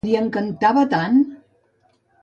Li encantava tant!